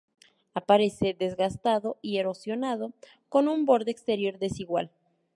Aparece desgastado y erosionado, con un borde exterior desigual.